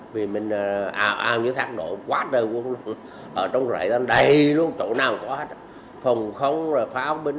vì mình ào ào như thắng đội quá trời quân ở trong rệ toàn đầy luôn chỗ nào cũng có hết phùng không rồi phá áo binh